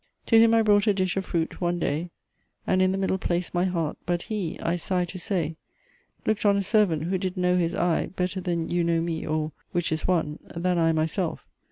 To him I brought a dish of fruit one day, And in the middle placed my heart. But he (I sigh to say) Look'd on a servant, who did know his eye, Better than you know me, or (which is one) Than I myself.